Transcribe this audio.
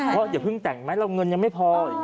เพราะอย่าเพิ่งแต่งไหมเราเงินยังไม่พออีก